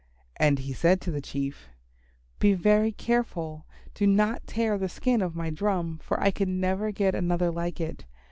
And he said to the Chief, "Be very careful. Do not tear the skin of my drum, for I can never get another like it.